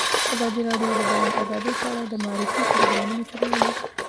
ازادي راډیو د د بیان آزادي په اړه د معارفې پروګرامونه چلولي.